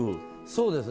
そうですね。